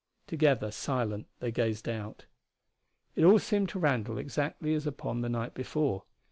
Together, silent, they gazed out. It all seemed to Randall exactly as upon the night before.